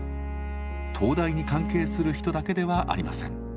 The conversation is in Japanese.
東大に関係する人だけではありません。